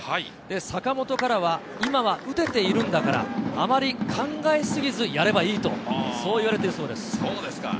坂本からは今は打てているんだから、あまり考えすぎず、やればいいと言われているそうです。